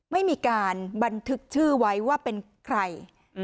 ไม่มีการบันทึกชื่อไว้ว่าเป็นใคร